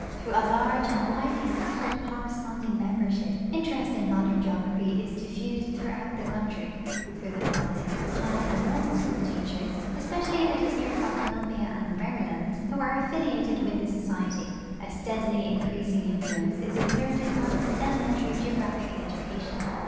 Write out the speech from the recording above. Through a large and widely scattered corresponding membership, interest in modern geography is diffused through out the country ; through the public, high, and normal school teachers, especially in the District of Columbia and iUaryland, who are affiliated with the Society, a steadily increasing influ ence is exerted on elementary geographic education.